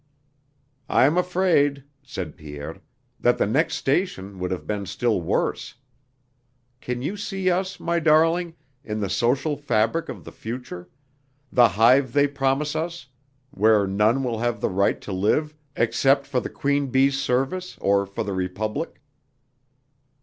"I'm afraid," said Pierre, "that the next station would have been still worse. Can you see us, my darling, in the social fabric of the future the hive they promise us, where none will have the right to live except for the queen bee's service or for the republic?"